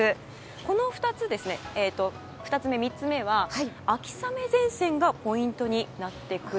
この２つ目、３つ目は秋雨前線がポイントになります。